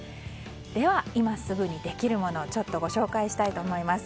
では、今すぐにできるものをちょっとご紹介します。